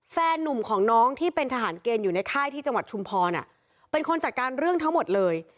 นุ่มของน้องที่เป็นทหารเกณฑ์อยู่ในค่ายที่จังหวัดชุมพรเป็นคนจัดการเรื่องทั้งหมดเลย